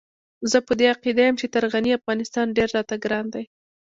زه په دې عقيده يم چې تر غني افغانستان ډېر راته ګران دی.